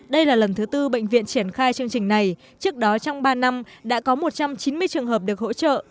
đây là lần thứ tư bệnh viện triển khai chương trình này trước đó trong ba năm đã có một trăm chín mươi trường hợp được hỗ trợ